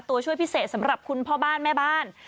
ตัวช่วยพิเศษสำหรับคุณพ่อบ้านแม่บ้าน